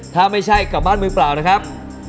ถ้าไม่ใช่กลับบ้านมือเปล่านะครับ